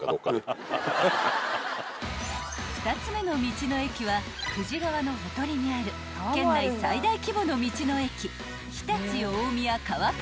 ［２つ目の道の駅は久慈川のほとりにある県内最大規模の］